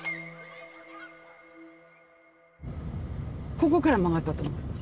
ここから曲がったと思います。